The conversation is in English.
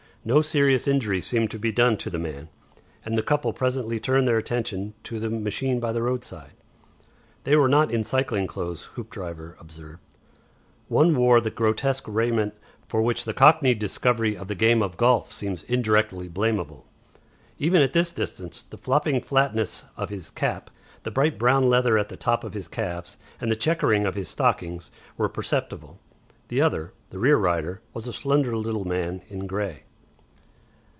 No serious injury seemed to be done to the man, and the couple presently turned their attention to the machine by the roadside. They were not in cycling clothes Hoopdriver observed. One wore the grotesque raiment for which the Cockney discovery of the game of golf seems indirectly blamable. Even at this distance the flopping flatness of his cap, the bright brown leather at the top of his calves, and the chequering of his stockings were perceptible. The other, the rear rider, was a slender little man in grey.